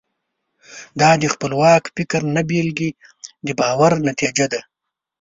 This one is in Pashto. دا د خپلواک فکر نه بلکې د باور نتیجه ده.